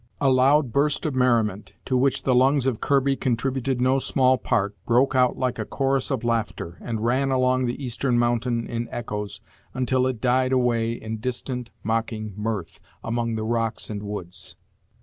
A loud burst of merriment, to which the lungs of Kirby contributed no small part, broke out like a chorus of laughter, and ran along the eastern mountain, in echoes, until it died away in distant, mocking mirth, among the rocks and woods.